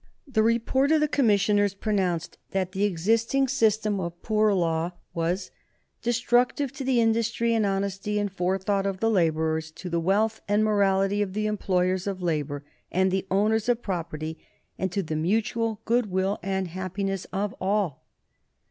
The report of the commissioners pronounced that the existing system of poor law was "destructive to the industry and honesty and forethought of the laborers, to the wealth and morality of the employers of labor and the owners of property, and to the mutual good will and happiness of all."